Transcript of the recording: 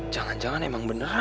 jangan jangan emang beneran kali ya